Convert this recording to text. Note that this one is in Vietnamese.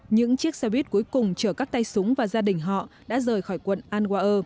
những chiếc xe buýt cuối cùng chở các tay súng và gia đình họ đã rời khỏi quận anwa